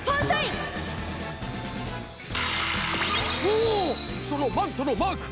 おそのマントのマーク！